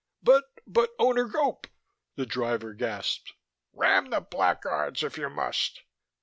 "But, but, Owner Gope " the driver gasped. "Ram the blackguards, if you must!"